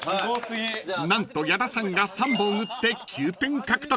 ［何と矢田さんが３本打って９点獲得］